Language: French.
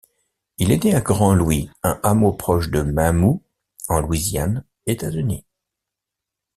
Il est né à Grand-Louis, un hameau proche de Mamou, en Louisiane, États-Unis.